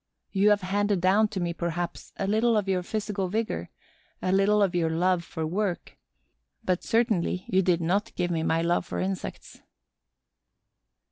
You have handed down to me, perhaps, a little of your physical vigor, a little of your love for work; but certainly you did not give me my love for insects.